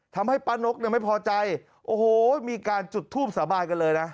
ทำให้ป้านกเนี่ยไม่พอใจโอ้โหมีการจุดทูบสาบานกันเลยนะ